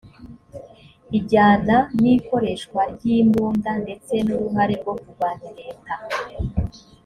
ijyana n’ikoreshwa ry’imbunda ndetse n’uruhare rwo kurwanya leta